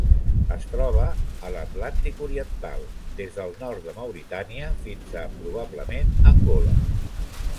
Es troba a l'Atlàntic oriental: des del nord de Mauritània fins a, probablement, Angola.